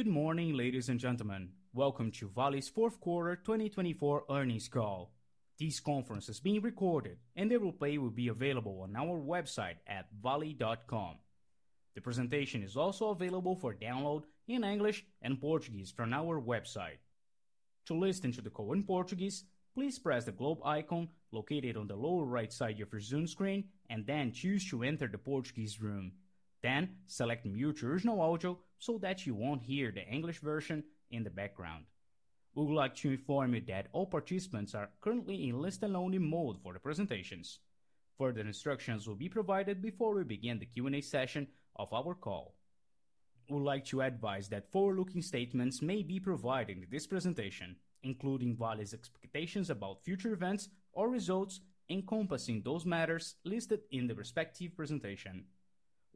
Good morning, ladies and gentlemen. Welcome to Vale's Fourth Quarter 2024 earnings call. This conference is being recorded, and the replay will be available on our website at vale.com. The presentation is also available for download in English and Portuguese from our website. To listen to the call in Portuguese, please press the globe icon located on the lower right side of your Zoom screen and then choose to enter the Portuguese room. Then select mute your original audio so that you won't hear the English version in the background. We would like to inform you that all participants are currently in listen-only mode for the presentations. Further instructions will be provided before we begin the Q&A session of our call. We would like to advise that forward-looking statements may be provided in this presentation, including Vale's expectations about future events or results encompassing those matters listed in the respective presentation.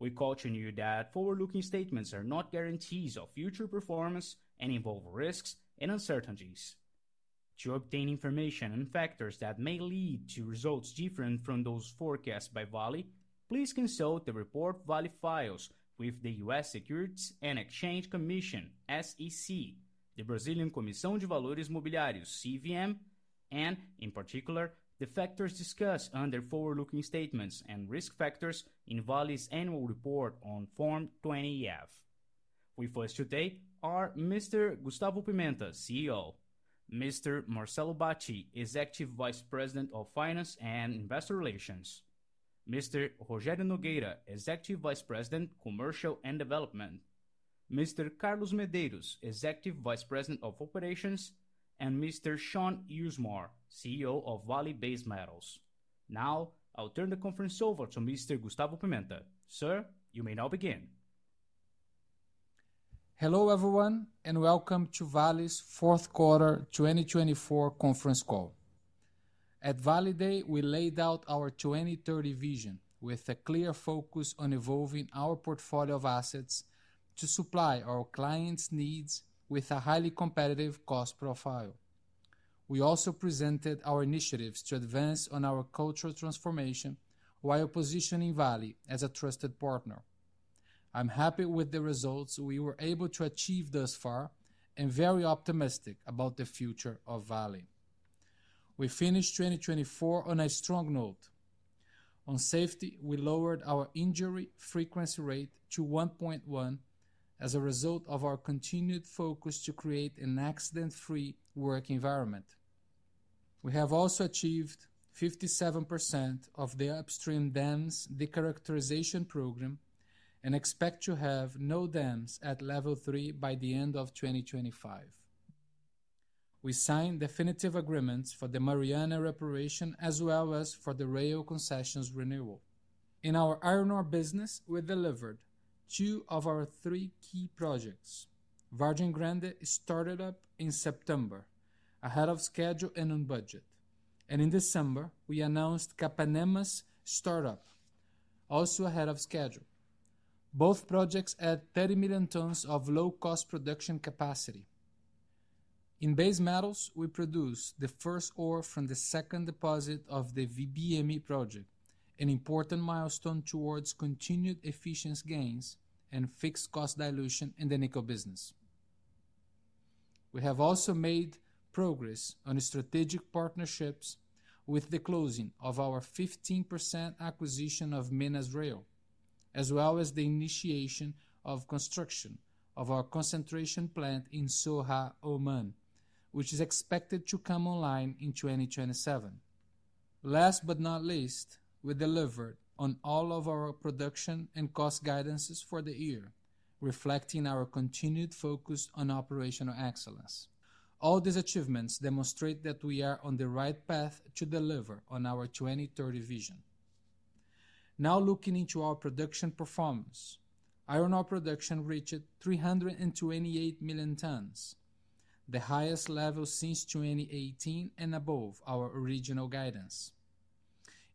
We caution you that forward-looking statements are not guarantees of future performance and involve risks and uncertainties. To obtain information on factors that may lead to results different from those forecast by Vale, please consult the report Vale files with the U.S. Securities and Exchange Commission, SEC, the Brazilian Comissão de Valores Mobiliários, CVM, and, in particular, the factors discussed under forward-looking statements and risk factors in Vale's annual report on Form 20-F. With us today are Mr. Gustavo Pimenta, CEO; Mr. Marcelo Bacci, Executive Vice President of Finance and Investor Relations; Mr. Rogério Nogueira, Executive Vice President, Commercial and Development; Mr. Carlos Medeiros, Executive Vice President of Operations; and Mr. Shaun Usmar, CEO of Vale Base Metals. Now, I'll turn the conference over to Mr. Gustavo Pimenta. Sir, you may now begin. Hello everyone, and welcome to Vale's Fourth Quarter 2024 conference call. At Vale Day, we laid out our 2030 vision with a clear focus on evolving our portfolio of assets to supply our clients' needs with a highly competitive cost profile. We also presented our initiatives to advance on our cultural transformation while positioning Vale as a trusted partner. I'm happy with the results we were able to achieve thus far and very optimistic about the future of Vale. We finished 2024 on a strong note. On safety, we lowered our injury frequency rate to 1.1 as a result of our continued focus to create an accident-free work environment. We have also achieved 57% of the upstream dams de-characterization program and expect to have no dams at level three by the end of 2025. We signed definitive agreements for the Mariana Reparation as well as for the rail concessions renewal. In our Iron Ore business, we delivered two of our three key projects. Vargem Grande started up in September, ahead of schedule and on budget, and in December, we announced Capanema's startup, also ahead of schedule. Both projects add 30 million tons of low-cost production capacity. In Base Metals, we produced the first ore from the second deposit of the VBME project, an important milestone towards continued efficiency gains and fixed cost dilution in the nickel business. We have also made progress on strategic partnerships with the closing of our 15% acquisition of Minas-Rio, as well as the initiation of construction of our concentration plant in Sohar, Oman, which is expected to come online in 2027. Last but not least, we delivered on all of our production and cost guidances for the year, reflecting our continued focus on operational excellence. All these achievements demonstrate that we are on the right path to deliver on our 2030 vision. Now, looking into our production performance, Iron Ore production reached 328 million tons, the highest level since 2018 and above our original guidance.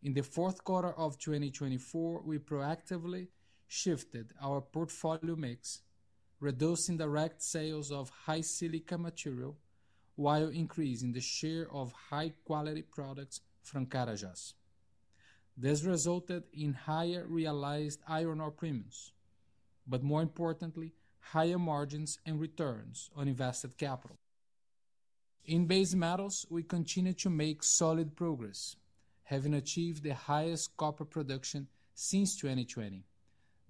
In the fourth quarter of 2024, we proactively shifted our portfolio mix, reducing direct sales of high silica material while increasing the share of high-quality products from Carajás. This resulted in higher realized Iron Ore premiums, but more importantly, higher margins and returns on invested capital. In Base Metals, we continue to make solid progress, having achieved the highest copper production since 2020,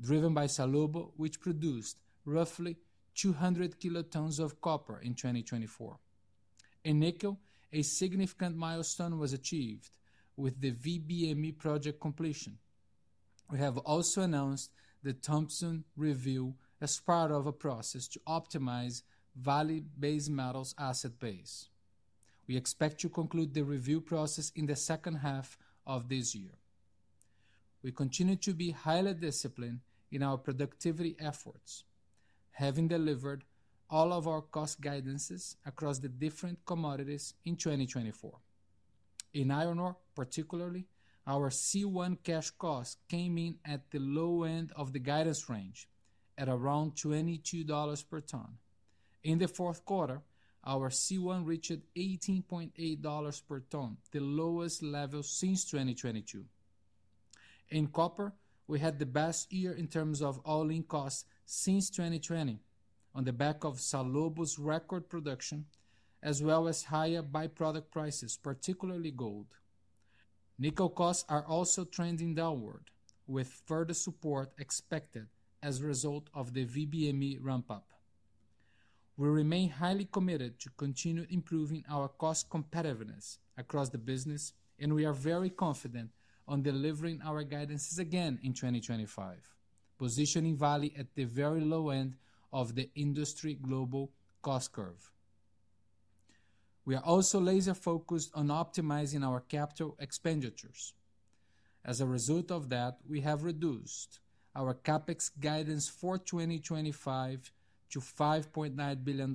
driven by Salobo, which produced roughly 200 kilotons of copper in 2024. In nickel, a significant milestone was achieved with the VBME project completion. We have also announced the Thompson review as part of a process to optimize Vale Base Metals' asset base. We expect to conclude the review process in the second half of this year. We continue to be highly disciplined in our productivity efforts, having delivered all of our cost guidances across the different commodities in 2024. In Iron Ore, particularly, our C1 cash cost came in at the low end of the guidance range at around $22 per ton. In the fourth quarter, our C1 reached $18.8 per ton, the lowest level since 2022. In copper, we had the best year in terms of all-in costs since 2020, on the back of Salobo's record production, as well as higher byproduct prices, particularly gold. Nickel costs are also trending downward, with further support expected as a result of the VBME ramp-up. We remain highly committed to continuing improving our cost competitiveness across the business, and we are very confident on delivering our guidances again in 2025, positioning Vale at the very low end of the industry global cost curve. We are also laser-focused on optimizing our capital expenditures. As a result of that, we have reduced our CapEx guidance for 2025 to $5.9 billion,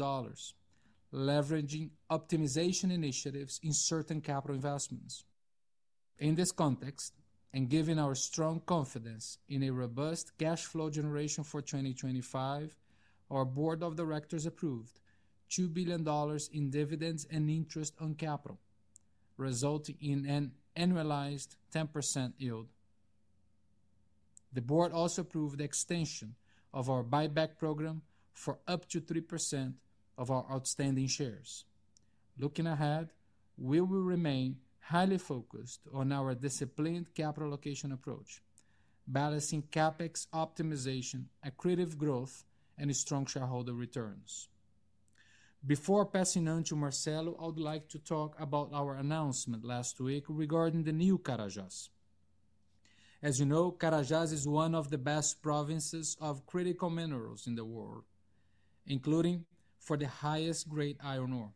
leveraging optimization initiatives in certain capital investments. In this context, and given our strong confidence in a robust cash flow generation for 2025, our board of directors approved $2 billion in dividends and interest on capital, resulting in an annualized 10% yield. The board also approved the extension of our buyback program for up to 3% of our outstanding shares. Looking ahead, we will remain highly focused on our disciplined capital allocation approach, balancing CapEx optimization, accretive growth, and strong shareholder returns. Before passing on to Marcelo, I would like to talk about our announcement last week regarding the new Carajás. As you know, Carajás is one of the best provinces of critical minerals in the world, including for the highest grade Iron Ore.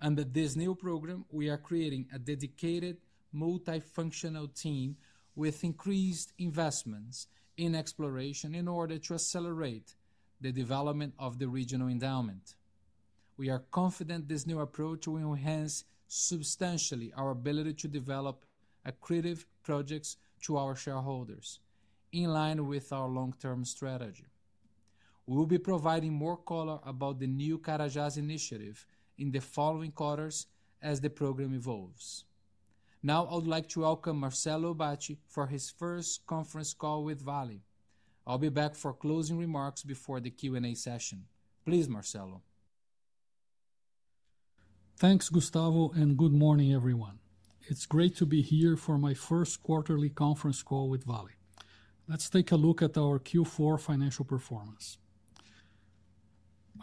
Under this new program, we are creating a dedicated multifunctional team with increased investments in exploration in order to accelerate the development of the regional endowment. We are confident this new approach will enhance substantially our ability to develop accretive projects to our shareholders, in line with our long-term strategy. We will be providing more color about the new Carajás initiative in the following quarters as the program evolves. Now, I would like to welcome Marcelo Bacci for his first conference call with Vale. I'll be back for closing remarks before the Q&A session. Please, Marcelo. Thanks, Gustavo, and good morning, everyone. It's great to be here for my first quarterly conference call with Vale. Let's take a look at our Q4 financial performance.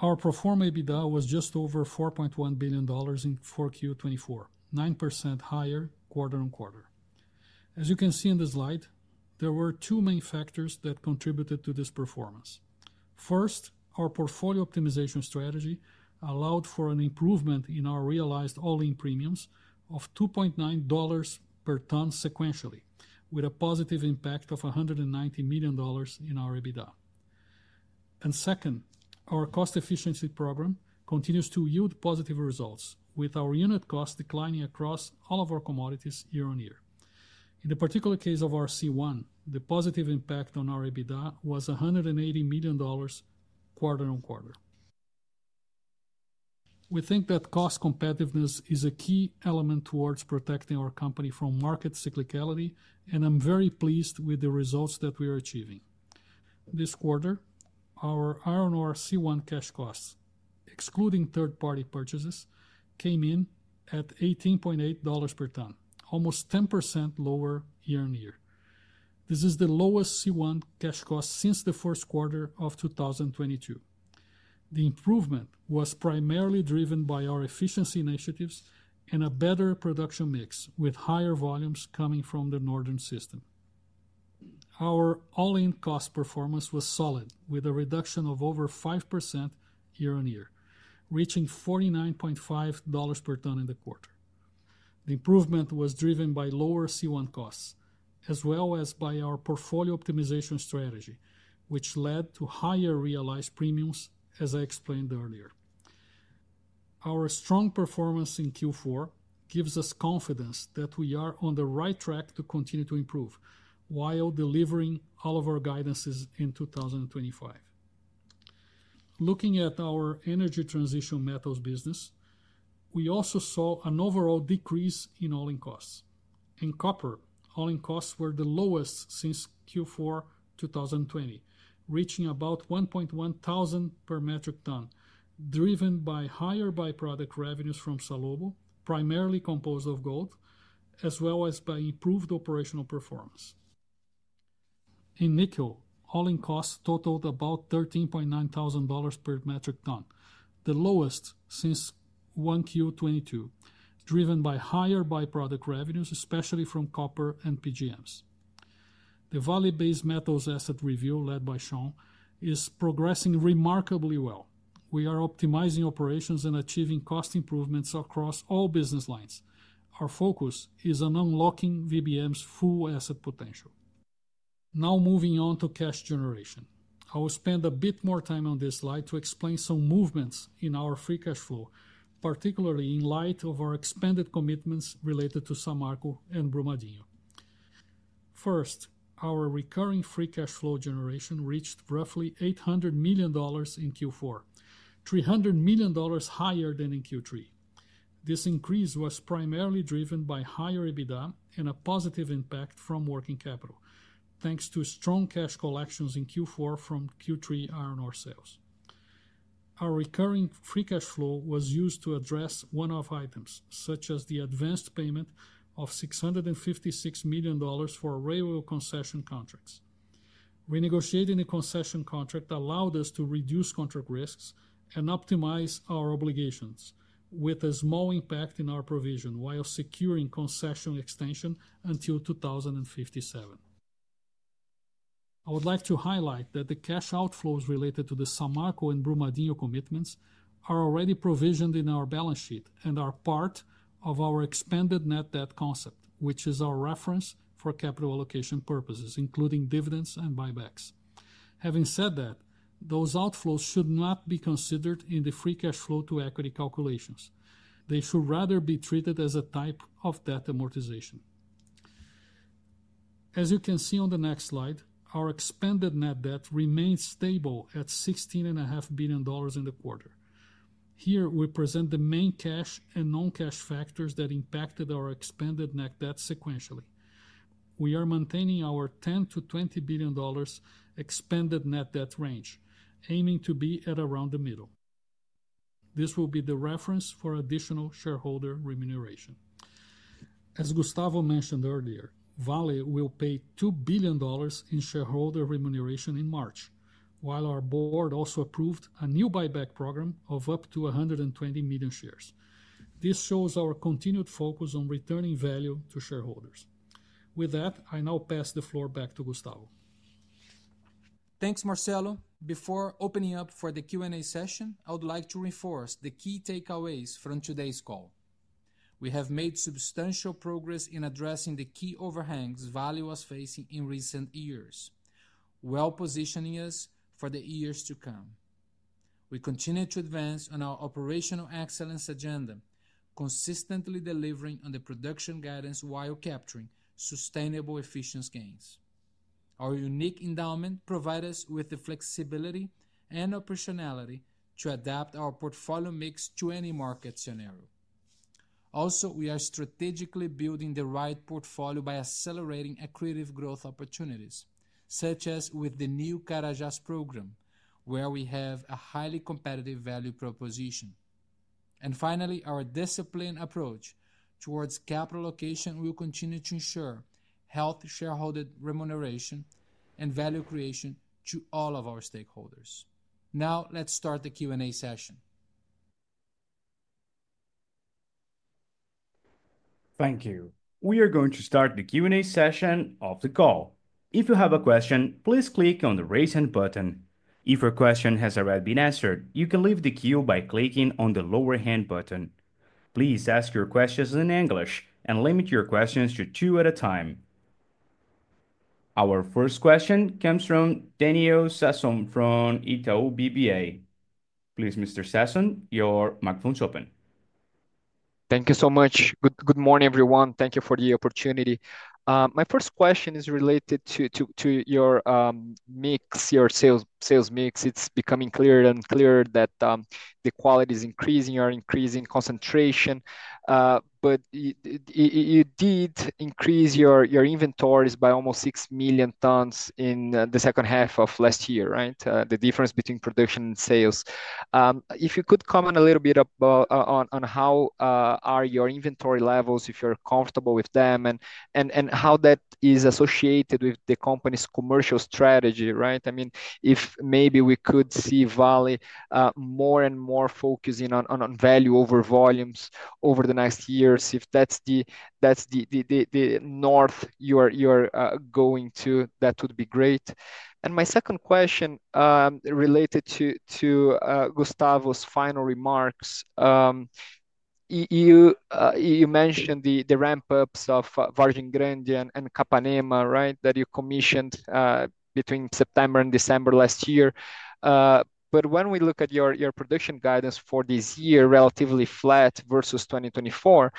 Our proforma EBITDA was just over $4.1 billion for Q4 2024, 9% higher quarter-on-quarter. As you can see in the slide, there were two main factors that contributed to this performance. First, our portfolio optimization strategy allowed for an improvement in our realized all-in premiums of $2.9 per ton sequentially, with a positive impact of $190 million in our EBITDA, and second, our cost efficiency program continues to yield positive results, with our unit costs declining across all of our commodities year on year. In the particular case of our C1, the positive impact on our EBITDA was $180 million quarter on quarter. We think that cost competitiveness is a key element towards protecting our company from market cyclicality, and I'm very pleased with the results that we are achieving. This quarter, our Iron Ore C1 cash costs, excluding third-party purchases, came in at $18.8 per ton, almost 10% lower year on year. This is the lowest C1 cash cost since the first quarter of 2022. The improvement was primarily driven by our efficiency initiatives and a better production mix, with higher volumes coming from the northern system. Our all-in cost performance was solid, with a reduction of over 5% year on year, reaching $49.5 per ton in the quarter. The improvement was driven by lower C1 costs, as well as by our portfolio optimization strategy, which led to higher realized premiums, as I explained earlier. Our strong performance in Q4 gives us confidence that we are on the right track to continue to improve while delivering all of our guidances in 2025. Looking at our energy transition metals business, we also saw an overall decrease in all-in costs. In copper, all-in costs were the lowest since Q4 2020, reaching about $1,100 per metric ton, driven by higher byproduct revenues from Salobo, primarily composed of gold, as well as by improved operational performance. In nickel, all-in costs totaled about $13,900 per metric ton, the lowest since 1Q22, driven by higher byproduct revenues, especially from copper and PGMs. The Vale Base Metals Asset Review, led by Shaun, is progressing remarkably well. We are optimizing operations and achieving cost improvements across all business lines. Our focus is on unlocking VBM's full asset potential. Now, moving on to cash generation, I will spend a bit more time on this slide to explain some movements in our free cash flow, particularly in light of our expanded commitments related to Samarco and Brumadinho. First, our recurring free cash flow generation reached roughly $800 million in Q4, $300 million higher than in Q3. This increase was primarily driven by higher EBITDA and a positive impact from working capital, thanks to strong cash collections in Q4 from Q3 iron ore sales. Our recurring free cash flow was used to address one-off items, such as the advanced payment of $656 million for railroad concession contracts. Renegotiating the concession contract allowed us to reduce contract risks and optimize our obligations, with a small impact in our provision while securing concession extension until 2057. I would like to highlight that the cash outflows related to the Samarco and Brumadinho commitments are already provisioned in our balance sheet and are part of our expanded net debt concept, which is our reference for capital allocation purposes, including dividends and buybacks. Having said that, those outflows should not be considered in the free cash flow to equity calculations. They should rather be treated as a type of debt amortization. As you can see on the next slide, our expanded net debt remained stable at $16.5 billion in the quarter. Here, we present the main cash and non-cash factors that impacted our expanded net debt sequentially. We are maintaining our $10-$20 billion expanded net debt range, aiming to be at around the middle. This will be the reference for additional shareholder remuneration. As Gustavo mentioned earlier, Vale will pay $2 billion in shareholder remuneration in March, while our board also approved a new buyback program of up to 120 million shares. This shows our continued focus on returning value to shareholders. With that, I now pass the floor back to Gustavo. Thanks, Marcelo. Before opening up for the Q&A session, I would like to reinforce the key takeaways from today's call. We have made substantial progress in addressing the key overhangs Vale was facing in recent years, well positioning us for the years to come. We continue to advance on our operational excellence agenda, consistently delivering on the production guidance while capturing sustainable efficiency gains. Our unique endowment provides us with the flexibility and operationality to adapt our portfolio mix to any market scenario. Also, we are strategically building the right portfolio by accelerating accretive growth opportunities, such as with the new Carajás program, where we have a highly competitive value proposition. And finally, our disciplined approach towards capital allocation will continue to ensure healthy shareholder remuneration and value creation to all of our stakeholders. Now, let's start the Q&A session. Thank you. We are going to start the Q&A session of the call. If you have a question, please click on the raise hand button. If your question has already been answered, you can leave the queue by clicking on the lower hand button. Please ask your questions in English and limit your questions to two at a time. Our first question comes from Daniel Sasson from Itaú BBA. Please, Mr. Sasson, your microphone is open. Thank you so much. Good morning, everyone. Thank you for the opportunity. My first question is related to your mix, your sales mix. It's becoming clearer and clearer that the quality is increasing, you are increasing concentration, but you did increase your inventories by almost six million tons in the second half of last year, right? The difference between production and sales. If you could comment a little bit on how are your inventory levels, if you're comfortable with them, and how that is associated with the company's commercial strategy, right? I mean, if maybe we could see Vale more and more focusing on value over volumes over the next years, if that's the north you are going to, that would be great. My second question related to Gustavo's final remarks. You mentioned the ramp-ups of Vargem Grande and Capanema, right, that you commissioned between September and December last year. But when we look at your production guidance for this year, relatively flat versus 2024,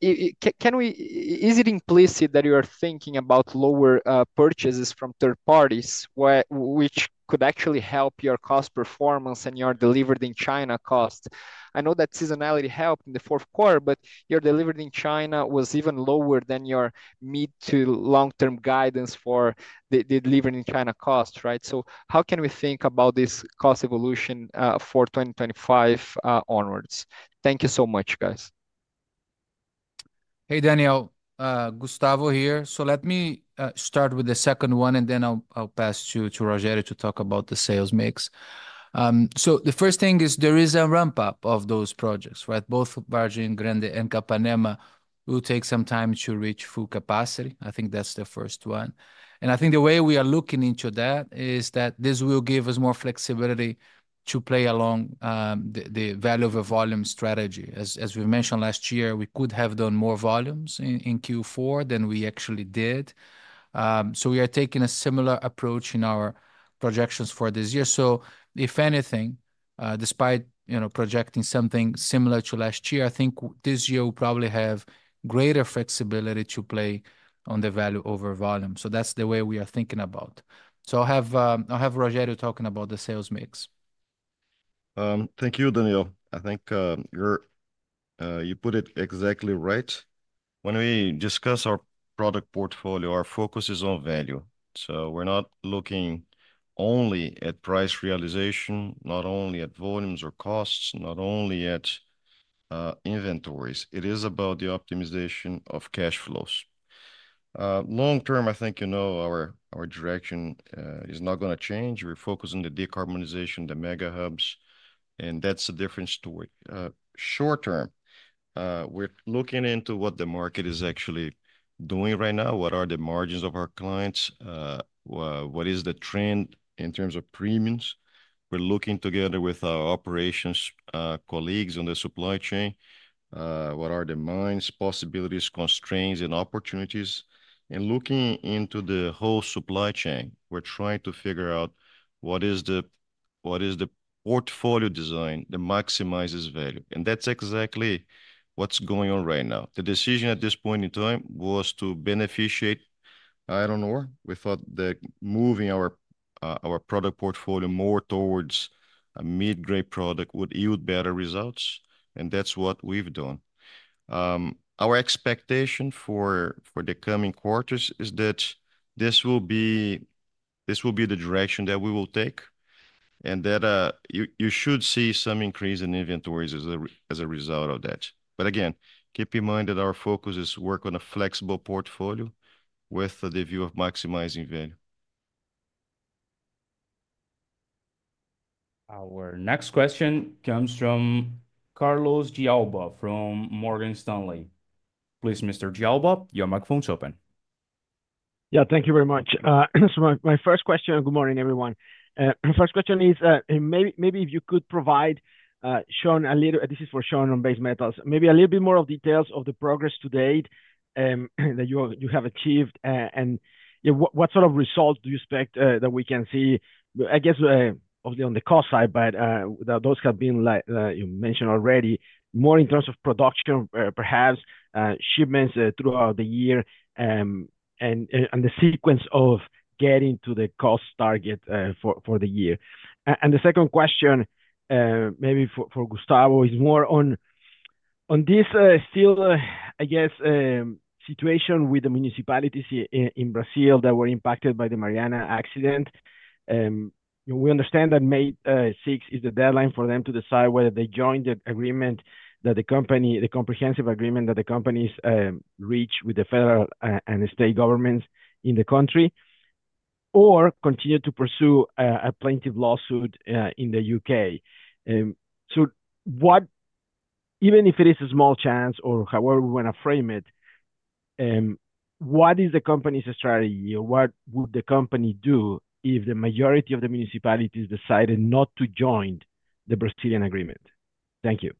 is it implicit that you are thinking about lower purchases from third parties, which could actually help your cost performance and your delivered in China cost? I know that seasonality helped in the fourth quarter, but your delivered in China was even lower than your mid to long-term guidance for the delivered in China cost, right? So how can we think about this cost evolution for 2025 onwards? Thank you so much, guys. Hey, Daniel, Gustavo here. So let me start with the second one, and then I'll pass to Rogério to talk about the sales mix. So the first thing is there is a ramp-up of those projects, right? Both Vargem Grande and Capanema will take some time to reach full capacity. I think that's the first one. And I think the way we are looking into that is that this will give us more flexibility to play along the value-over-volume strategy. As we mentioned last year, we could have done more volumes in Q4 than we actually did. So we are taking a similar approach in our projections for this year. So if anything, despite projecting something similar to last year, I think this year we'll probably have greater flexibility to play on the value over volume. So that's the way we are thinking about. So I'll have Rogério talking about the sales mix. Thank you, Daniel. I think you put it exactly right. When we discuss our product portfolio, our focus is on value. So we're not looking only at price realization, not only at volumes or costs, not only at inventories. It is about the optimization of cash flows. Long term, I think you know our direction is not going to change. We're focusing on the decarbonization, the mega hubs, and that's a different story. Short term, we're looking into what the market is actually doing right now, what are the margins of our clients, what is the trend in terms of premiums. We're looking together with our operations colleagues on the supply chain, what are the mines, possibilities, constraints, and opportunities, and looking into the whole supply chain, we're trying to figure out what is the portfolio design that maximizes value, and that's exactly what's going on right now. The decision at this point in time was to beneficiate iron ore. We thought that moving our product portfolio more towards a mid-grade product would yield better results, and that's what we've done. Our expectation for the coming quarters is that this will be the direction that we will take and that you should see some increase in inventories as a result of that, but again, keep in mind that our focus is to work on a flexible portfolio with the view of maximizing value. Our next question comes from Carlos De Alba from Morgan Stanley. Please, Mr. De Alba, your microphone is open. Yeah, thank you very much. So my first question, good morning, everyone. My first question is maybe if you could provide, Shaun, a little, this is for Shaun on base metals, maybe a little bit more of details of the progress to date that you have achieved and what sort of results do you expect that we can see, I guess, obviously on the cost side, but those have been, like you mentioned already, more in terms of production, perhaps shipments throughout the year and the sequence of getting to the cost target for the year. And the second question, maybe for Gustavo, is more on this still, I guess, situation with the municipalities in Brazil that were impacted by the Mariana accident. We understand that May 6 is the deadline for them to decide whether they join the agreement that the company, the comprehensive agreement that the companies reach with the federal and state governments in the country or continue to pursue a plaintiff lawsuit in the U.K. So even if it is a small chance or however we want to frame it, what is the company's strategy or what would the company do if the majority of the municipalities decided not to join the Brazilian agreement? Thank you.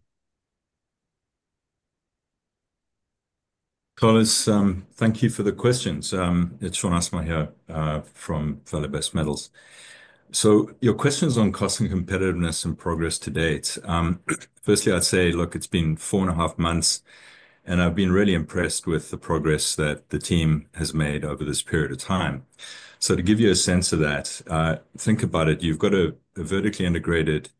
Carlos, thank you for the questions. It's Shaun Usmar here from Vale Base Metals. So your questions on cost and competitiveness and progress to date. Firstly, I'd say, look, it's been four and a half months, and I've been really impressed with the progress that the team has made over this period of time. So to give you a sense of that, think about it. You've got a vertically integrated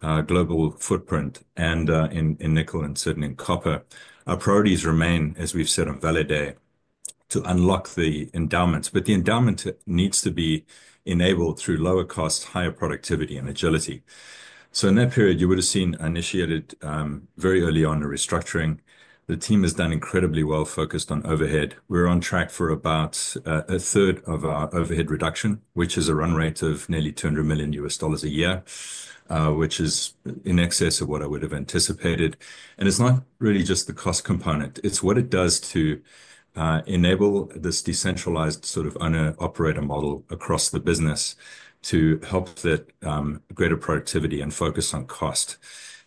global footprint in nickel and certainly in copper. Our priorities remain, as we've said on Vale Day, to unlock the endowments, but the endowment needs to be enabled through lower cost, higher productivity, and agility. So in that period, you would have seen initiated very early on a restructuring. The team has done incredibly well, focused on overhead. We're on track for about a third of our overhead reduction, which is a run rate of nearly $200 million a year, which is in excess of what I would have anticipated. And it's not really just the cost component. It's what it does to enable this decentralized sort of owner-operator model across the business to help that greater productivity and focus on cost.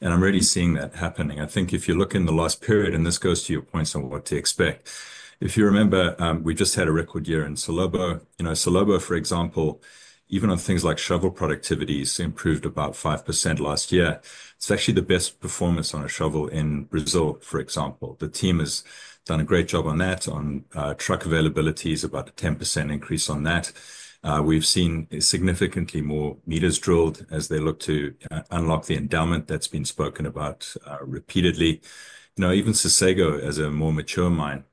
And I'm really seeing that happening. I think if you look in the last period, and this goes to your points on what to expect, if you remember, we just had a record year in Salobo. Salobo, for example, even on things like shovel productivities improved about 5% last year. It's actually the best performance on a shovel in Brazil, for example. The team has done a great job on that, on truck availabilities, about a 10% increase on that. We've seen significantly more meters drilled as they look to unlock the endowment that's been spoken about repeatedly. Now, even Sossego as a more mature mine,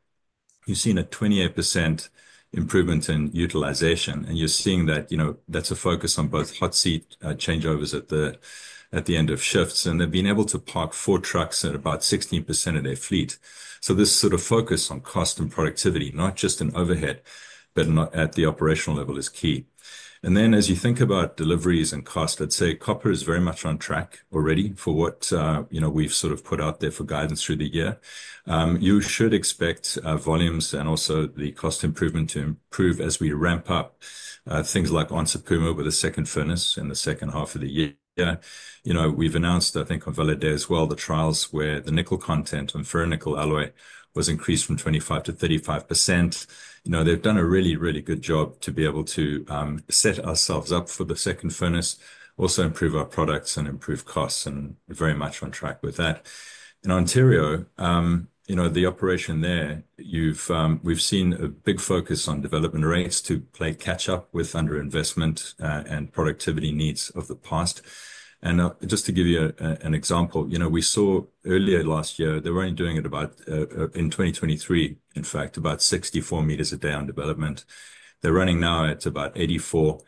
you've seen a 28% improvement in utilization, and you're seeing that that's a focus on both hot seat changeovers at the end of shifts, and they've been able to park four trucks at about 16% of their fleet. So this sort of focus on cost and productivity, not just in overhead, but at the operational level is key. And then as you think about deliveries and cost, I'd say copper is very much on track already for what we've sort of put out there for guidance through the year. You should expect volumes and also the cost improvement to improve as we ramp up things like Onça Puma with a second furnace in the second half of the year. We've announced, I think, on Vale Day as well, the trials where the nickel content and ferronickel alloy was increased from 25% to 35%. They've done a really, really good job to be able to set ourselves up for the second furnace, also improve our products and improve costs and very much on track with that. In Ontario, the operation there, we've seen a big focus on development rates to play catch up with under investment and productivity needs of the past. Just to give you an example, we saw earlier last year, they were only doing it about, in 2023, in fact, about 64 meters a day on development. They're running now at about 84.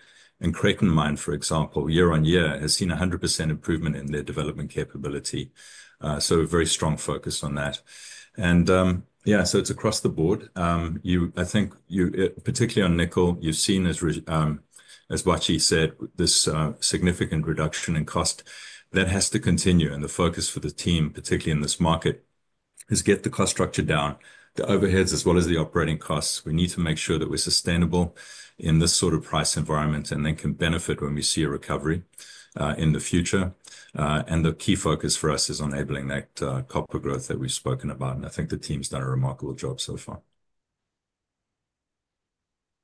Creighton Mine, for example, year on year, has seen a 100% improvement in their development capability. So very strong focus on that. Yeah, so it's across the board. I think particularly on nickel, you've seen, as Bacci said, this significant reduction in cost that has to continue, and the focus for the team, particularly in this market, is to get the cost structure down, the overheads as well as the operating costs. We need to make sure that we're sustainable in this sort of price environment and then can benefit when we see a recovery in the future, and the key focus for us is enabling that copper growth that we've spoken about, and I think the team's done a remarkable job so far.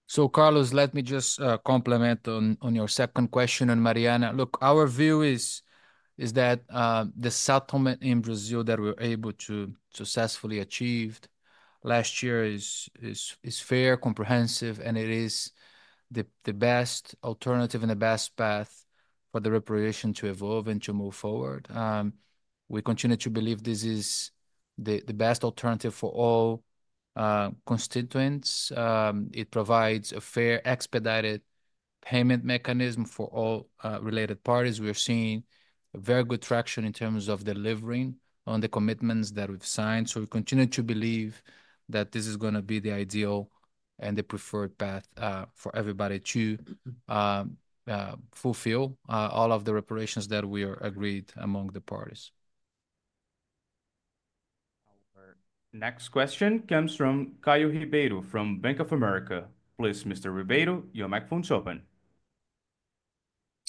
So, Carlos, let me just comment on your second question on Mariana. Look, our view is that the settlement in Brazil that we were able to successfully achieve last year is fair, comprehensive, and it is the best alternative and the best path for the reputation to evolve and to move forward. We continue to believe this is the best alternative for all constituents. It provides a fair expedited payment mechanism for all related parties. We're seeing very good traction in terms of delivering on the commitments that we've signed. So we continue to believe that this is going to be the ideal and the preferred path for everybody to fulfill all of the reparations that we agreed among the parties. Our next question comes from Caio Ribeiro from Bank of America. Please, Mr. Ribeiro, your microphone is open.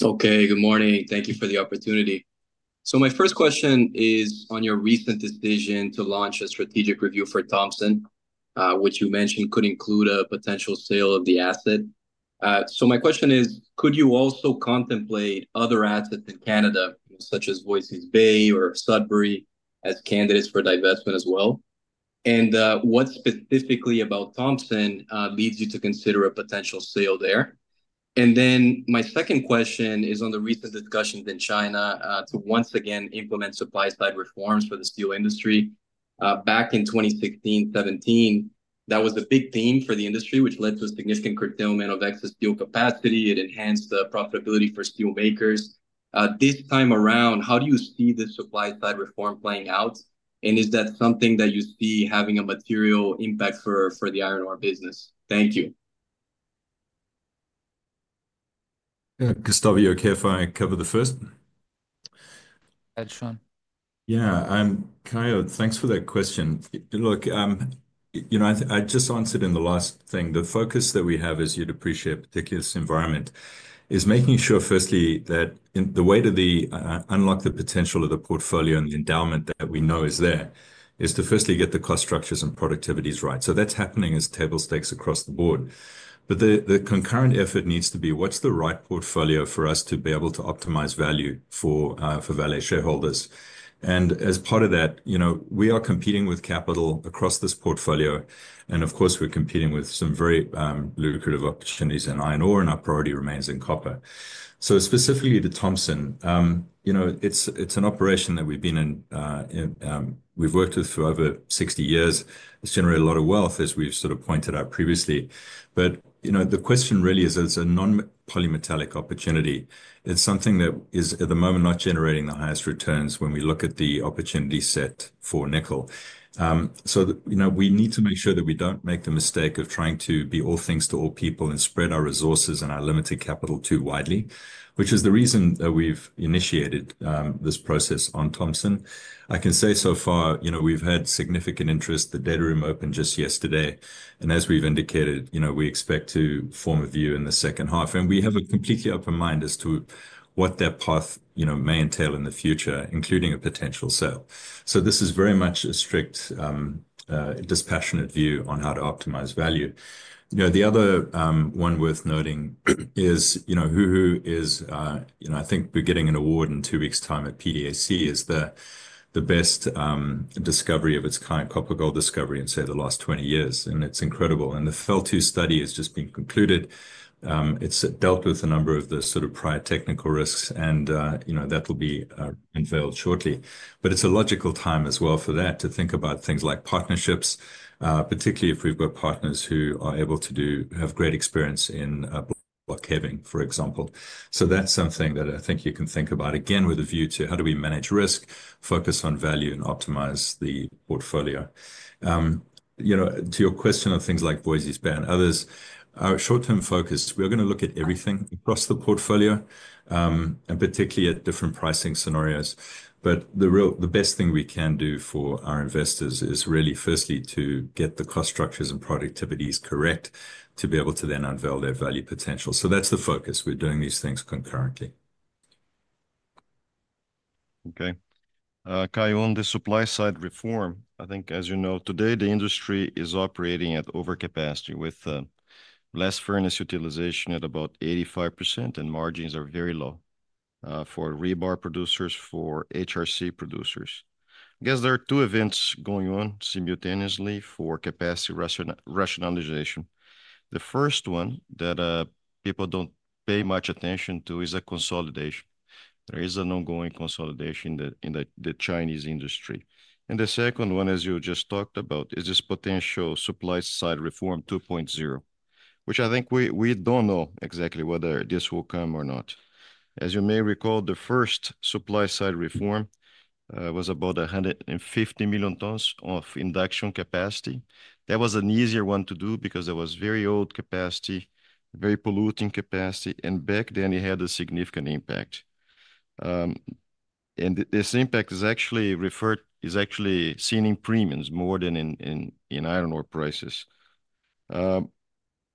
Okay, good morning. Thank you for the opportunity. My first question is on your recent decision to launch a strategic review for Thompson, which you mentioned could include a potential sale of the asset. So my question is, could you also contemplate other assets in Canada, such as Voisey's Bay or Sudbury as candidates for divestment as well? And what specifically about Thompson leads you to consider a potential sale there? And then my second question is on the recent discussions in China to once again implement supply-side reforms for the steel industry. Back in 2016, 2017, that was a big theme for the industry, which led to a significant curtailment of excess steel capacity. It enhanced the profitability for steel makers. This time around, how do you see the supply-side reform playing out? Is that something that you see having a material impact for the iron ore business? Thank you. Gustavo, you're okay if I cover the first? Yeah, I'm Caio. Thanks for that question. Look, I just answered in the last thing. The focus that we have, as you'd appreciate, particularly this environment, is making sure, firstly, that the way to unlock the potential of the portfolio and the endowment that we know is there is to firstly get the cost structures and productivities right. So that's happening as table stakes across the board. But the concurrent effort needs to be what's the right portfolio for us to be able to optimize value for Vale shareholders. And as part of that, we are competing with capital across this portfolio. And of course, we're competing with some very lucrative opportunities in iron ore, and our priority remains in copper. So specifically to Thompson, it's an operation that we've been in, we've worked with for over 60 years. It's generated a lot of wealth, as we've sort of pointed out previously. But the question really is, it's a non-polymetallic opportunity. It's something that is, at the moment, not generating the highest returns when we look at the opportunity set for nickel. So we need to make sure that we don't make the mistake of trying to be all things to all people and spread our resources and our limited capital too widely, which is the reason that we've initiated this process on Thompson. I can say so far, we've had significant interest. The data room opened just yesterday. And as we've indicated, we expect to form a view in the second half. And we have a completely open mind as to what that path may entail in the future, including a potential sale. So this is very much a strict, dispassionate view on how to optimize value. The other one worth noting is Alemão, I think we're getting an award in two weeks' time at PDAC, is the best discovery of its current copper-gold discovery in, say, the last 20 years, and it's incredible. The FEL-2 study has just been concluded. It's dealt with a number of the sort of prior technical risks, and that will be unveiled shortly. But it's a logical time as well for that to think about things like partnerships, particularly if we've got partners who are able to have great experience in block caving, for example. So that's something that I think you can think about again with a view to how do we manage risk, focus on value, and optimize the portfolio. To your question of things like Voisey's Bay and others are short-term focused. We're going to look at everything across the portfolio and particularly at different pricing scenarios. But the best thing we can do for our investors is really, firstly, to get the cost structures and productivities correct to be able to then unveil their value potential. So that's the focus. We're doing these things concurrently. Okay. Caio, on the supply-side reform, I think, as you know, today, the industry is operating at overcapacity with less furnace utilization at about 85%, and margins are very low for rebar producers, for HRC producers. I guess there are two events going on simultaneously for capacity rationalization. The first one that people don't pay much attention to is a consolidation. There is an ongoing consolidation in the Chinese industry. And the second one, as you just talked about, is this potential supply-side reform 2.0, which I think we don't know exactly whether this will come or not. As you may recall, the first supply-side reform was about 150 million tons of induction capacity. That was an easier one to do because it was very old capacity, very polluting capacity. And back then, it had a significant impact. And this impact is actually seen in premiums more than in iron ore prices.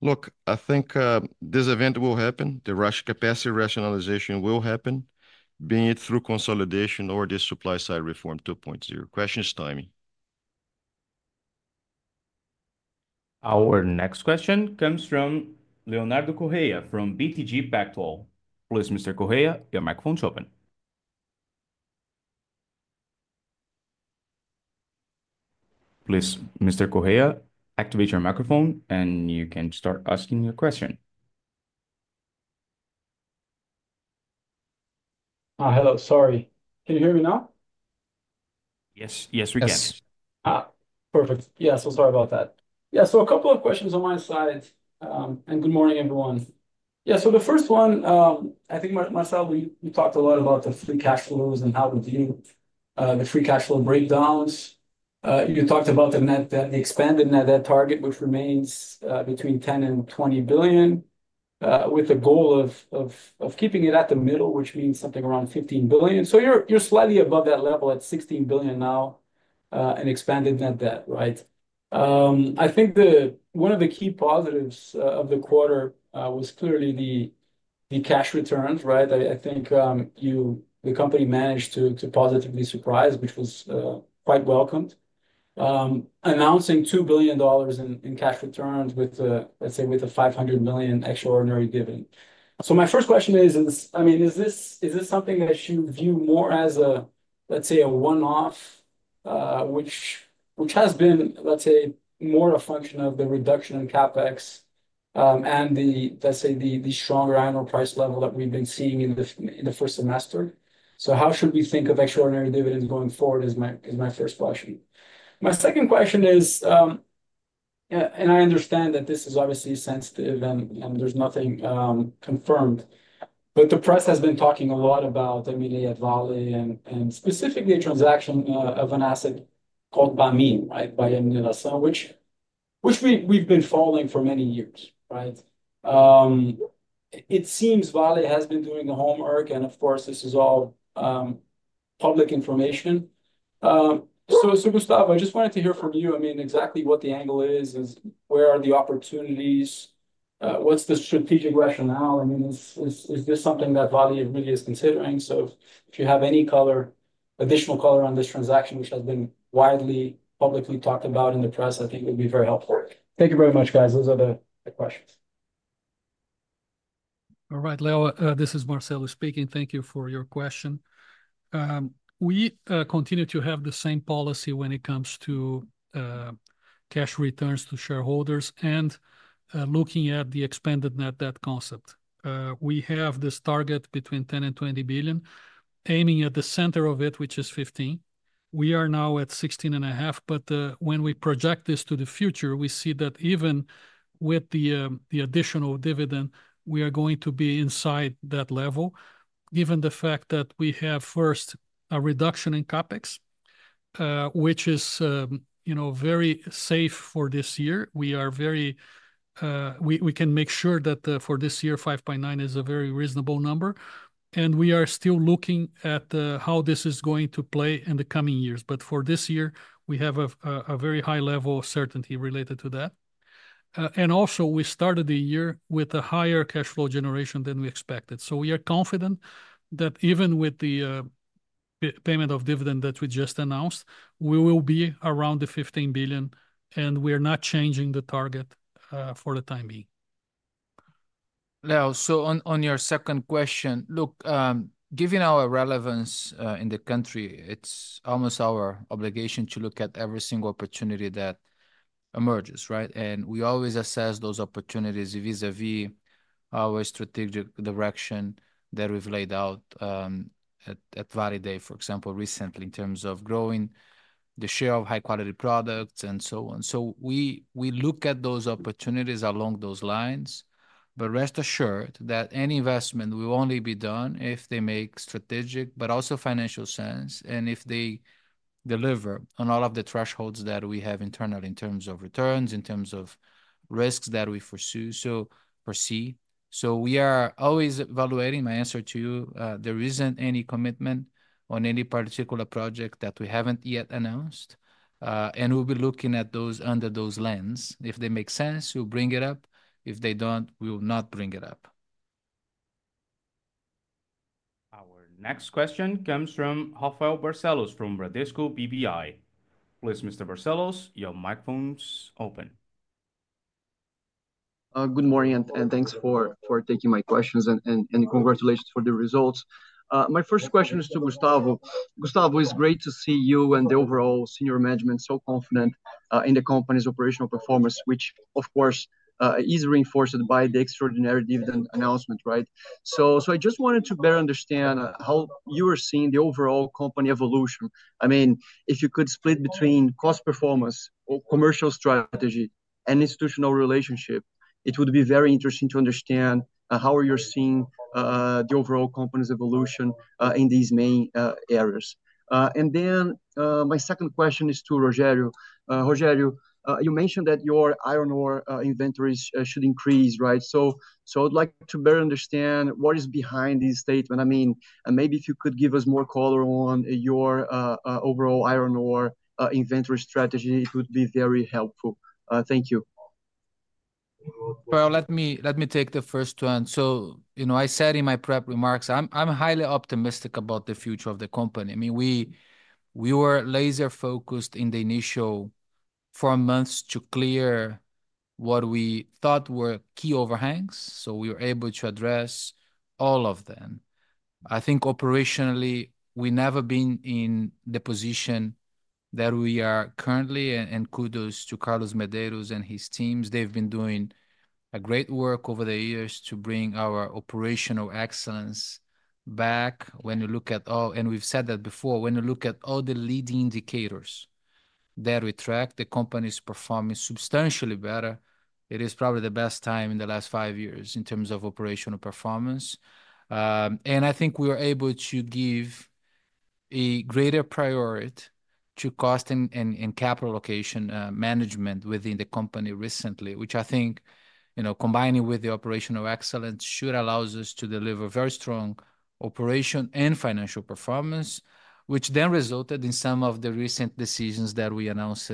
Look, I think this event will happen. The capacity rationalization will happen, be it through consolidation or this supply-side reform 2.0. Question is timing. Our next question comes from Leonardo Correa from BTG Pactual. Please, Mr. Correa, your microphone is open. Please, Mr. Correa, activate your microphone, and you can start asking your question. Hello, sorry. Can you hear me now? Yes, yes, we can. Perfect. Yeah, so sorry about that. Yeah, so a couple of questions on my side. Good morning, everyone. Yeah, so the first one, I think, Marcelo, we talked a lot about the free cash flows and how to deal with the free cash flow breakdowns. You talked about the Expanded Net Debt target, which remains between $10 billion and $20 billion, with a goal of keeping it at the middle, which means something around $15 billion. So you're slightly above that level at $16 billion now in Expanded Net Debt, right? I think one of the key positives of the quarter was clearly the cash returns, right? I think the company managed to positively surprise, which was quite welcomed, announcing $2 billion in cash returns, let's say, with a $500 million extraordinary dividend. So my first question is, I mean, is this something that you view more as a, let's say, a one-off, which has been, let's say, more a function of the reduction in CapEx and the, let's say, the stronger iron ore price level that we've been seeing in the first semester? So how should we think of extraordinary dividends going forward is my first question. My second question is, and I understand that this is obviously sensitive and there's nothing confirmed, but the press has been talking a lot about M&A at Vale and specifically a transaction of an asset called Bamin, right, by Eurasian, which we've been following for many years, right? It seems Vale has been doing the homework, and of course, this is all public information. So, Gustavo, I just wanted to hear from you. I mean, exactly what the angle is, where are the opportunities, what's the strategic rationale? I mean, is this something that Vale really is considering? So if you have any additional color on this transaction, which has been widely publicly talked about in the press, I think it would be very helpful. Thank you very much, guys. Those are the questions. All right, Leo, this is Marcelo speaking. Thank you for your question. We continue to have the same policy when it comes to cash returns to shareholders and looking at the expanded net debt concept. We have this target between $10 billion and $20 billion, aiming at the center of it, which is $15 billion. We are now at $16.5 billion, but when we project this to the future, we see that even with the additional dividend, we are going to be inside that level given the fact that we have first a reduction in CapEx, which is very safe for this year. We can make sure that for this year, $5.9 billion is a very reasonable number. And we are still looking at how this is going to play in the coming years. But for this year, we have a very high level of certainty related to that. And also, we started the year with a higher cash flow generation than we expected. So we are confident that even with the payment of dividend that we just announced, we will be around $15 billion, and we are not changing the target for the time being. Now, so on your second question, look, given our relevance in the country, it's almost our obligation to look at every single opportunity that emerges, right? And we always assess those opportunities vis-à-vis our strategic direction that we've laid out at Vale Day, for example, recently in terms of growing the share of high-quality products and so on. So we look at those opportunities along those lines, but rest assured that any investment will only be done if they make strategic, but also financial sense, and if they deliver on all of the thresholds that we have internally in terms of returns, in terms of risks that we foresee. So we are always evaluating. My answer to you, there isn't any commitment on any particular project that we haven't yet announced. And we'll be looking at those under those lens. If they make sense, we'll bring it up. If they don't, we will not bring it up. Our next question comes from Rafael Barcellos from Bradesco BBI. Please, Mr. Barcellos, your microphone is open. Good morning and thanks for taking my questions and congratulations for the results. My first question is to Gustavo. Gustavo, it's great to see you and the overall senior management so confident in the company's operational performance, which, of course, is reinforced by the extraordinary dividend announcement, right? So I just wanted to better understand how you are seeing the overall company evolution. I mean, if you could split between cost performance or commercial strategy and institutional relationship, it would be very interesting to understand how you're seeing the overall company's evolution in these main areas. And then my second question is to Rogério. Rogério, you mentioned that your iron ore inventories should increase, right? So I'd like to better understand what is behind this statement. I mean, maybe if you could give us more color on your overall iron ore inventory strategy, it would be very helpful. Thank you. Let me take the first one. I said in my prep remarks, I'm highly optimistic about the future of the company. I mean, we were laser-focused in the initial four months to clear what we thought were key overhangs. We were able to address all of them. I think operationally, we've never been in the position that we are currently, and kudos to Carlos Medeiros and his teams. They've been doing great work over the years to bring our operational excellence back. When you look at all, and we've said that before, the leading indicators that track, the company's performing substantially better. It is probably the best time in the last five years in terms of operational performance. And I think we were able to give a greater priority to cost and capital allocation management within the company recently, which I think, combining with the operational excellence, should allow us to deliver very strong operational and financial performance, which then resulted in some of the recent decisions that we announced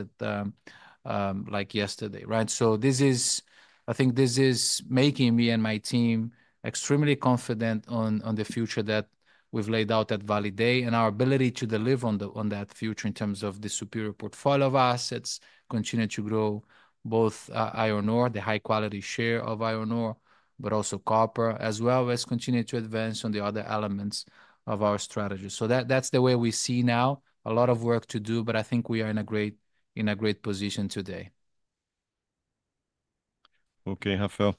like yesterday, right? So I think this is making me and my team extremely confident on the future that we've laid out at Vale Day and our ability to deliver on that future in terms of the superior portfolio of assets, continue to grow both iron ore, the high-quality share of iron ore, but also copper, as well as continue to advance on the other elements of our strategy. So that's the way we see now. A lot of work to do, but I think we are in a great position today. Okay, Rafael,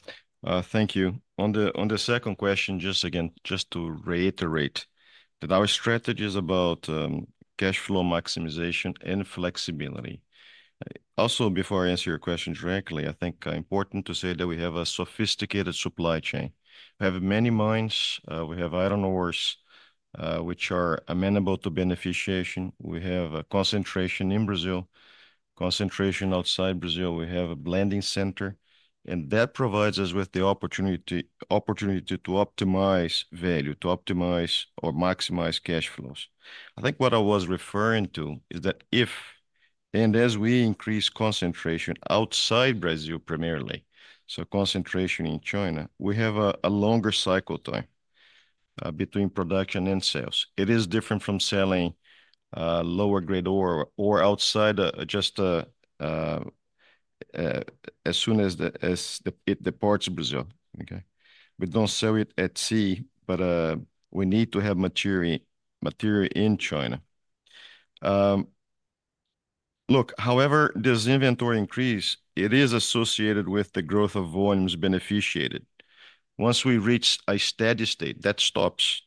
thank you. On the second question, just again, just to reiterate that our strategy is about cash flow maximization and flexibility. Also, before I answer your question directly, I think it's important to say that we have a sophisticated supply chain. We have many mines. We have iron ores, which are amenable to beneficiation. We have a concentration in Brazil, concentration outside Brazil. We have a blending center, and that provides us with the opportunity to optimize value, to optimize or maximize cash flows. I think what I was referring to is that if, and as we increase concentration outside Brazil primarily, so concentration in China, we have a longer cycle time between production and sales. It is different from selling lower-grade ore or outside just as soon as it departs Brazil, okay? We don't sell it at sea, but we need to have material in China. Look, however, this inventory increase, it is associated with the growth of volumes beneficiated. Once we reach a steady state, that stops,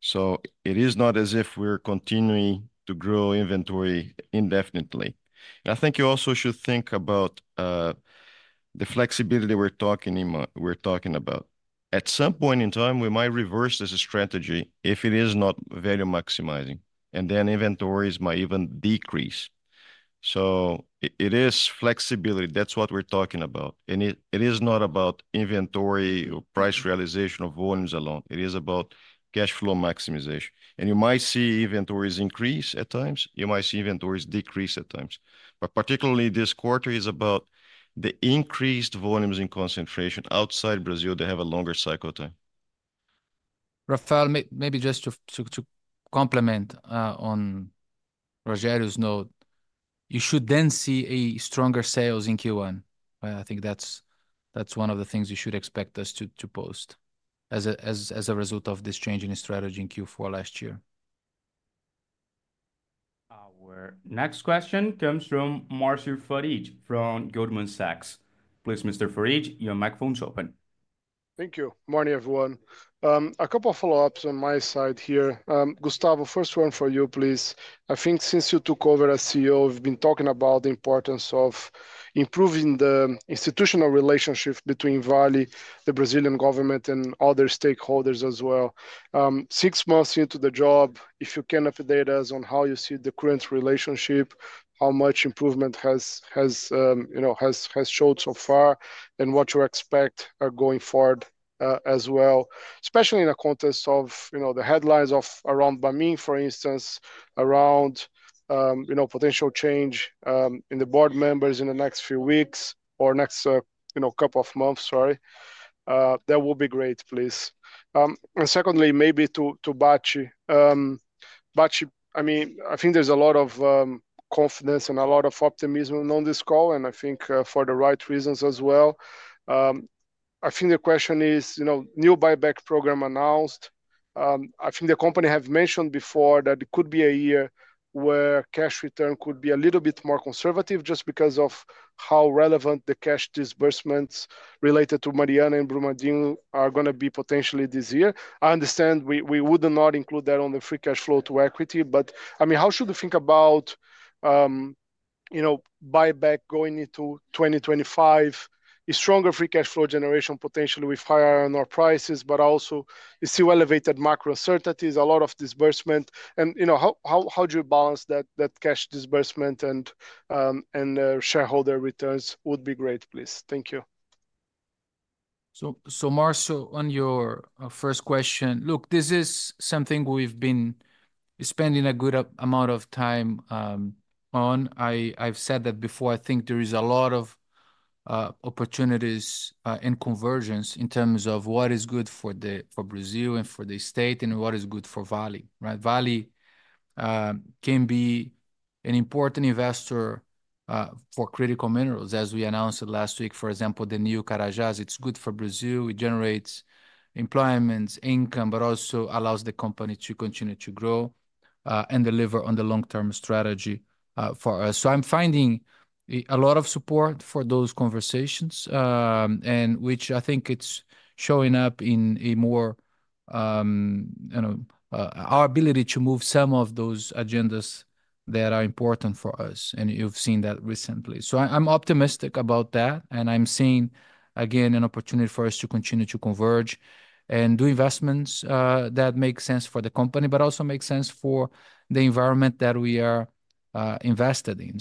so it is not as if we're continuing to grow inventory indefinitely. I think you also should think about the flexibility we're talking about. At some point in time, we might reverse this strategy if it is not value maximizing, and then inventories might even decrease, so it is flexibility. That's what we're talking about, and it is not about inventory or price realization of volumes alone. It is about cash flow maximization, and you might see inventories increase at times. You might see inventories decrease at times, but particularly this quarter is about the increased volumes in concentration outside Brazil. They have a longer cycle time. Rafael, maybe just to complement on Rogério's note, you should then see stronger sales in Q1. I think that's one of the things you should expect us to post as a result of this change in strategy in Q4 last year. Our next question comes from Marcio Farid from Goldman Sachs. Please, Mr. Farid, your microphone is open. Thank you. Morning, everyone. A couple of follow-ups on my side here. Gustavo, first one for you, please. I think since you took over as CEO, we've been talking about the importance of improving the institutional relationship between Vale, the Brazilian government, and other stakeholders as well. Six months into the job, if you can update us on how you see the current relationship, how much improvement has showed so far, and what you expect going forward as well, especially in the context of the headlines around Bamin, for instance, around potential change in the board members in the next few weeks or next couple of months, sorry. That will be great, please. And secondly, maybe to Bacci. Bacci, I mean, I think there's a lot of confidence and a lot of optimism on this call, and I think for the right reasons as well. I think the question is, new buyback program announced. I think the company has mentioned before that it could be a year where cash return could be a little bit more conservative just because of how relevant the cash disbursements related to Mariana and Brumadinho are going to be potentially this year. I understand we would not include that on the free cash flow to equity, but I mean, how should we think about buyback going into 2025? Stronger free cash flow generation potentially with higher iron ore prices, but also still elevated macro uncertainties, a lot of disbursement. And how do you balance that cash disbursement and shareholder returns? That would be great, please. Thank you. Marcelo, on your first question, look, this is something we've been spending a good amount of time on. I've said that before. I think there is a lot of opportunities and convergence in terms of what is good for Brazil and for the state and what is good for Vale, right? Vale can be an important investor for critical minerals, as we announced last week, for example, the Nova Carajás. It's good for Brazil. It generates employment, income, but also allows the company to continue to grow and deliver on the long-term strategy for us. I'm finding a lot of support for those conversations, which I think it's showing up in our ability to move some of those agendas that are important for us, and you've seen that recently. I'm optimistic about that, and I'm seeing, again, an opportunity for us to continue to converge and do investments that make sense for the company, but also make sense for the environment that we are invested in.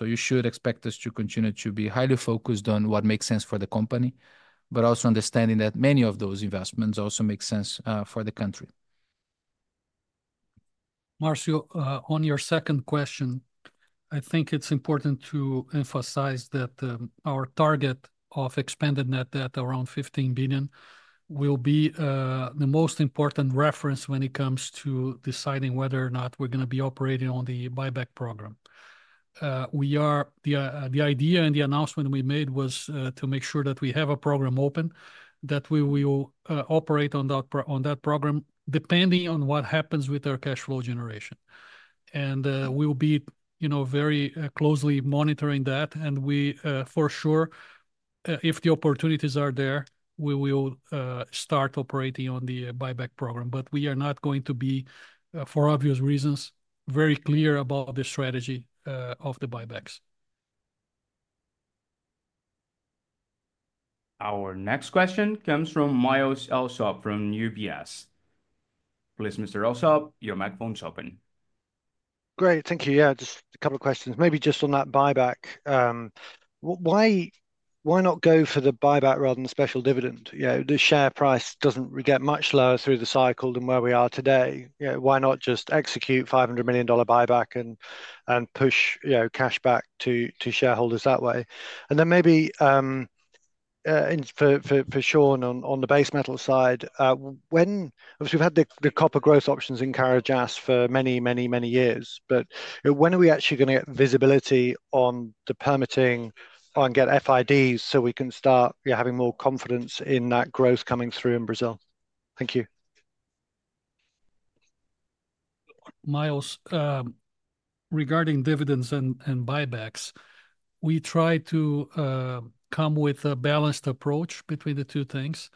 You should expect us to continue to be highly focused on what makes sense for the company, but also understanding that many of those investments also make sense for the country. Marcel, on your second question, I think it's important to emphasize that our target of expanded net debt around $15 billion will be the most important reference when it comes to deciding whether or not we're going to be operating on the buyback program. The idea and the announcement we made was to make sure that we have a program open, that we will operate on that program depending on what happens with our cash flow generation. And we will be very closely monitoring that. And we, for sure, if the opportunities are there, we will start operating on the buyback program. But we are not going to be, for obvious reasons, very clear about the strategy of the buybacks. Our next question comes from Myles Allsop from UBS. Please, Mr. Allsop, your microphone is open. Great. Thank you. Yeah, just a couple of questions. Maybe just on that buyback. Why not go for the buyback rather than the special dividend? The share price doesn't get much lower through the cycle than where we are today. Why not just execute a $500 million buyback and push cash back to shareholders that way? And then maybe for Shaun on the base metal side, obviously, we've had the copper growth options in Carajás for many, many, many years, but when are we actually going to get visibility on the permitting and get FIDs so we can start having more confidence in that growth coming through in Brazil? Thank you. Myles, regarding dividends and buybacks, we try to come with a balanced approach between the two things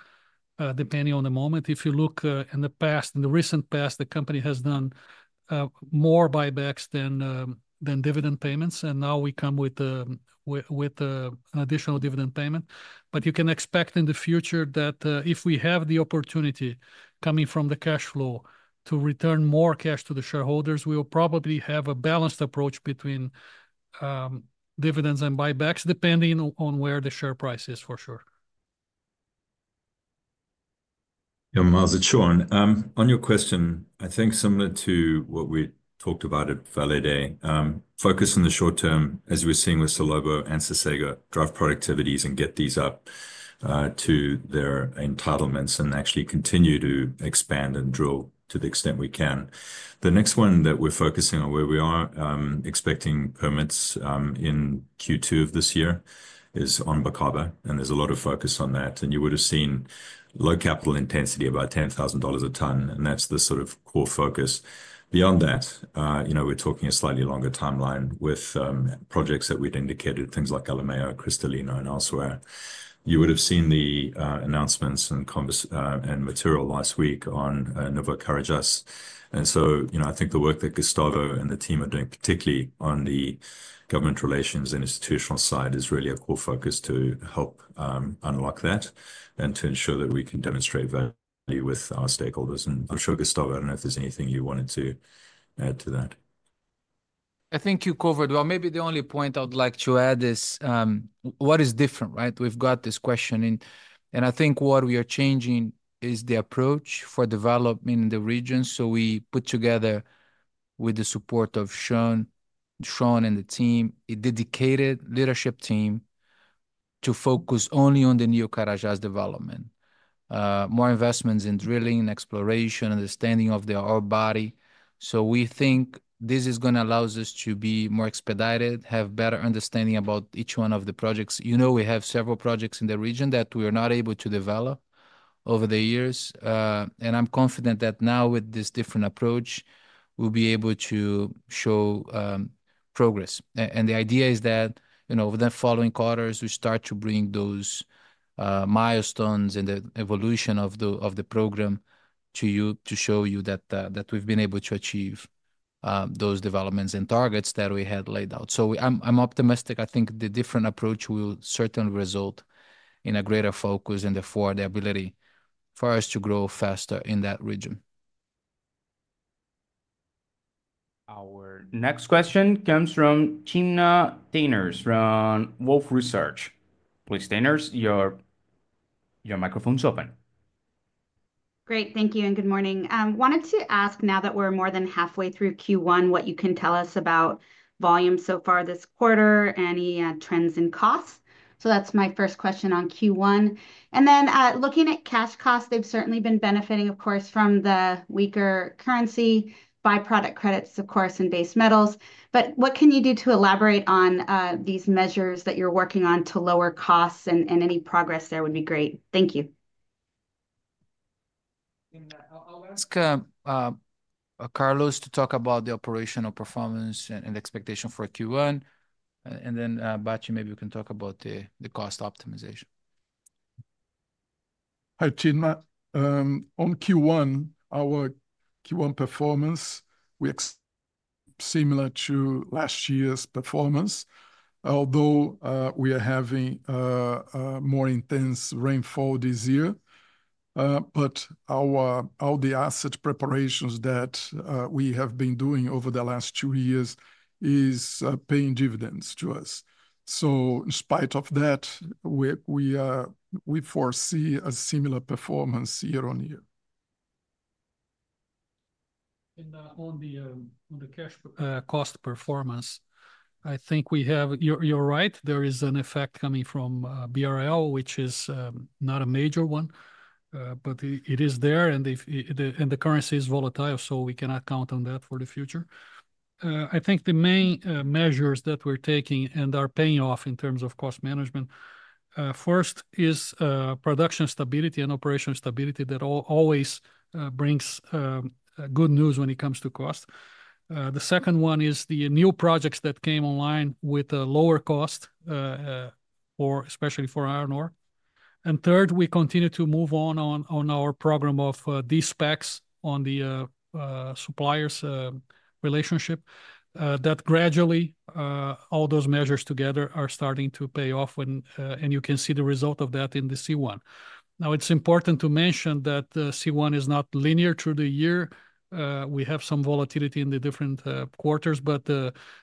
depending on the moment. If you look in the past, in the recent past, the company has done more buybacks than dividend payments, and now we come with an additional dividend payment. But you can expect in the future that if we have the opportunity coming from the cash flow to return more cash to the shareholders, we will probably have a balanced approach between dividends and buybacks depending on where the share price is, for sure. Yeah, Marcio, Shaun, on your question, I think similar to what we talked about at Vale Day, focus on the short term, as we're seeing with Salobo and Sossego, drive productivities and get these up to their entitlements and actually continue to expand and drill to the extent we can. The next one that we're focusing on, where we are expecting permits in Q2 of this year, is on Bacaba, and there's a lot of focus on that. You would have seen low capital intensity about $10,000 a ton, and that's the sort of core focus. Beyond that, we're talking a slightly longer timeline with projects that we've indicated, things like Alemão, Cristalino, and elsewhere. You would have seen the announcements and material last week on Nova Carajás. And so I think the work that Gustavo and the team are doing, particularly on the government relations and institutional side, is really a core focus to help unlock that and to ensure that we can demonstrate value with our stakeholders. And I'm sure, Gustavo, I don't know if there's anything you wanted to add to that. I think you covered well. Maybe the only point I would like to add is what is different, right? We've got this question, and I think what we are changing is the approach for development in the region, so we put together, with the support of Shaun and the team, a dedicated leadership team to focus only on the new Carajás development, more investments in drilling, exploration, understanding of the ore body, so we think this is going to allow us to be more expedited, have better understanding about each one of the projects. You know we have several projects in the region that we were not able to develop over the years, and I'm confident that now, with this different approach, we'll be able to show progress. The idea is that over the following quarters, we start to bring those milestones and the evolution of the program to show you that we've been able to achieve those developments and targets that we had laid out. I'm optimistic. I think the different approach will certainly result in a greater focus and therefore the ability for us to grow faster in that region. Our next question comes from Timna Tanners from Wolfe Research. Please, Tanners, your microphone is open. Great. Thank you. And good morning. Wanted to ask, now that we're more than halfway through Q1, what you can tell us about volume so far this quarter, any trends in costs. So that's my first question on Q1. And then looking at cash costs, they've certainly been benefiting, of course, from the weaker currency, byproduct credits, of course, and base metals. But what can you do to elaborate on these measures that you're working on to lower costs, and any progress there would be great. Thank you. I'll ask Carlos to talk about the operational performance and expectation for Q1, and then Bacci, maybe we can talk about the cost optimization. Hi, Timna. On Q1, our Q1 performance was similar to last year's performance, although we are having more intense rainfall this year, but all the asset preparations that we have been doing over the last two years are paying dividends to us, so in spite of that, we foresee a similar performance year on year. On the cash cost performance, I think we have. You're right. There is an effect coming from BRL, which is not a major one, but it is there. The currency is volatile, so we cannot count on that for the future. I think the main measures that we're taking and are paying off in terms of cost management, first, is production stability and operational stability that always brings good news when it comes to cost. The second one is the new projects that came online with a lower cost, especially for iron ore. Third, we continue to move on our program of De-SPACs on the suppliers' relationship that gradually all those measures together are starting to pay off. You can see the result of that in the C1. Now, it's important to mention that C1 is not linear through the year. We have some volatility in the different quarters, but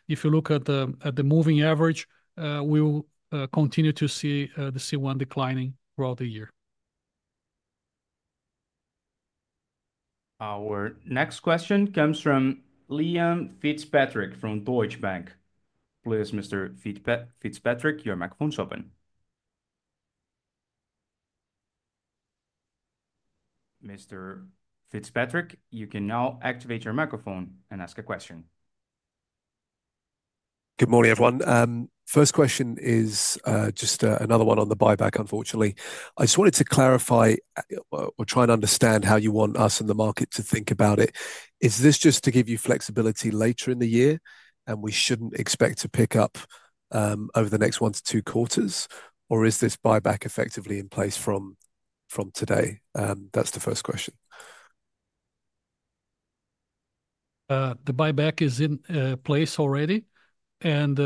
if you look at the moving average, we'll continue to see the C1 declining throughout the year. Our next question comes from Liam Fitzpatrick from Deutsche Bank. Please, Mr. Fitzpatrick, your microphone is open. Mr. Fitzpatrick, you can now activate your microphone and ask a question. Good morning, everyone. First question is just another one on the buyback, unfortunately. I just wanted to clarify or try and understand how you want us in the market to think about it. Is this just to give you flexibility later in the year and we shouldn't expect to pick up over the next one to two quarters, or is this buyback effectively in place from today? That's the first question. The buyback is in place already, and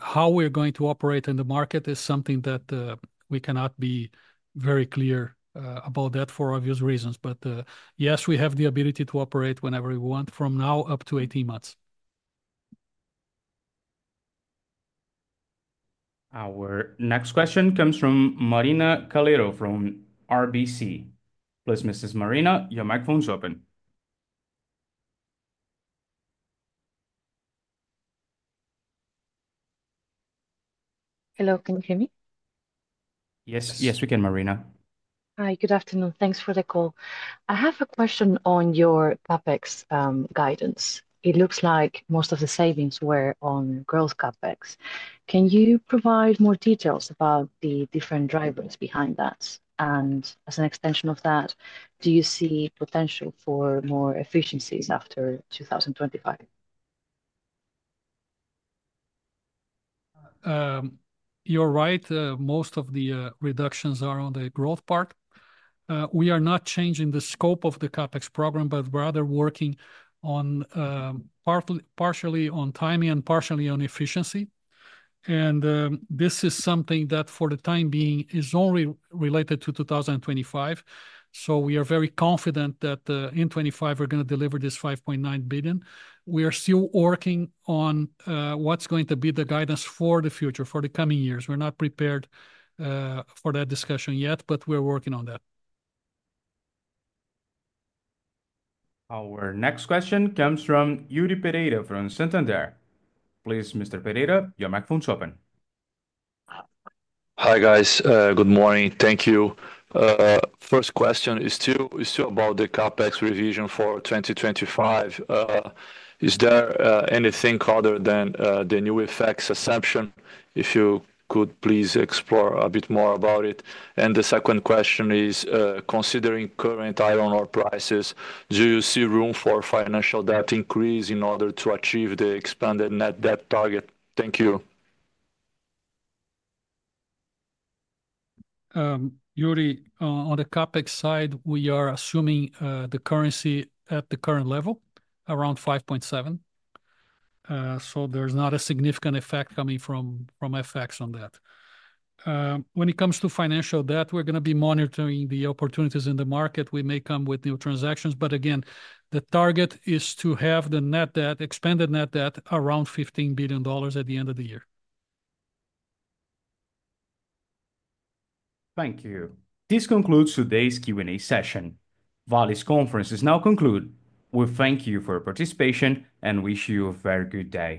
how we're going to operate in the market is something that we cannot be very clear about that for obvious reasons, but yes, we have the ability to operate whenever we want from now up to 18 months. Our next question comes from Marina Calero from RBC. Please, Mrs. Marina, your microphone is open. Hello, can you hear me? Yes, yes, we can, Marina. Hi, good afternoon. Thanks for the call. I have a question on your CapEx guidance. It looks like most of the savings were on growth CapEx. Can you provide more details about the different drivers behind that? And as an extension of that, do you see potential for more efficiencies after 2025? You're right. Most of the reductions are on the growth part. We are not changing the scope of the CapEx program, but rather working partially on timing and partially on efficiency. And this is something that for the time being is only related to 2025. So we are very confident that in 2025, we're going to deliver this $5.9 billion. We are still working on what's going to be the guidance for the future, for the coming years. We're not prepared for that discussion yet, but we're working on that. Our next question comes from Yuri Pereira from Santander. Please, Mr. Pereira, your microphone is open. Hi, guys. Good morning. Thank you. First question is still about the CapEx revision for 2025. Is there anything other than the new FX assumption? If you could please explore a bit more about it. And the second question is, considering current iron ore prices, do you see room for financial debt increase in order to achieve the expanded net debt target? Thank you. Yuri, on the CapEx side, we are assuming the currency at the current level, around 5.7. So there's not a significant effect coming from FX on that. When it comes to financial debt, we're going to be monitoring the opportunities in the market. We may come with new transactions. But again, the target is to have the net debt, Expanded Net Debt, around $15 billion at the end of the year. Thank you. This concludes today's Q&A session. Vale's conference is now concluded. We thank you for your participation and wish you a very good day.